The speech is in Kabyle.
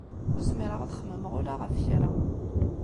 Ur zmireɣ ad xemmemeɣ ula ɣef kra.